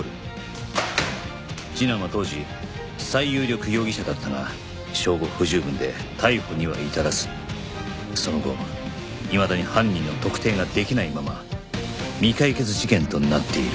次男は当時最有力容疑者だったが証拠不十分で逮捕には至らずその後いまだに犯人の特定ができないまま未解決事件となっている